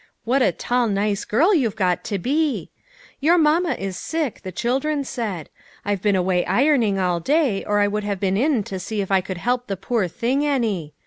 What a tall nice girl you've got to be. Your ma is sick, the children said. I've been away ironing all day, or I would have been in to see if I could help the poor thing any.